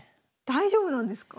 大丈夫なんですか？